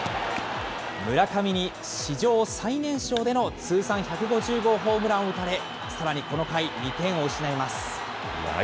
村上に史上最年少での通算１５０号ホームランを打たれ、さらにこの回、２点を失います。